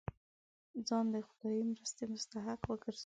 ځان د خدايي مرستې مستحق وګرځوو.